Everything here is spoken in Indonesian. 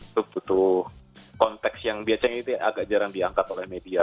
itu butuh konteks yang biasanya agak jarang diangkat oleh media